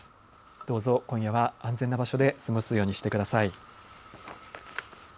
どうぞ今夜は安全な場所で過ごすようにしてください。